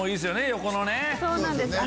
横のね。